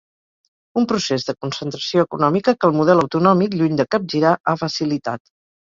Un procés de concentració econòmica que el model autonòmic, lluny de capgirar, ha facilitat.